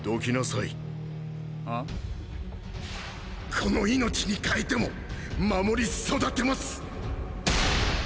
この命に代えても守り育てます